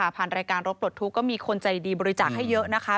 ผ่านรายการรถปลดทุกข์ก็มีคนใจดีบริจาคให้เยอะนะคะ